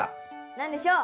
何でしょう？